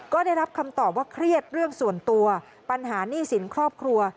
ก็ได้รับคำตอบว่าเครียดเรื่องส่วนตัวปัญหาหนี้สินครอบครัว